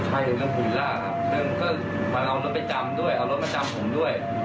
มันก็เอารถไปจำด้วยเอารถมาจำผมด้วย